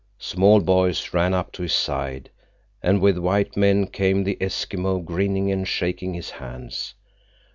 Small boys ran up to his side, and with white men came the Eskimo, grinning and shaking his hands.